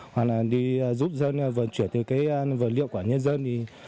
hoặc là giúp dân vận chuyển từ vật liệu của nhân dân